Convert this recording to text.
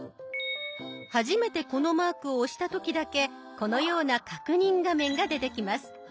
初めてこのマークを押した時だけこのような確認画面が出てきます。